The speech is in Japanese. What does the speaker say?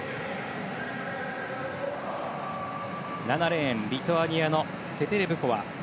７レーンリトアニアのテテレブコワ。